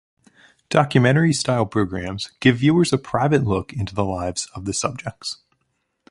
Documentary-style programs give viewers a private look into the lives of the subjects.